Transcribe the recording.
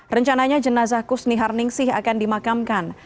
rencananya jenazah kusni harning sih akan dimakamkan